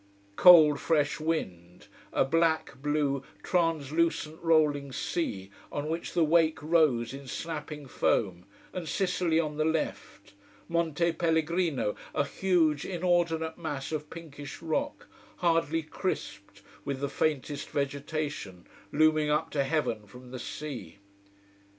Cold, fresh wind, a black blue, translucent, rolling sea on which the wake rose in snapping foam, and Sicily on the left: Monte Pellegrino, a huge, inordinate mass of pinkish rock, hardly crisped with the faintest vegetation, looming up to heaven from the sea.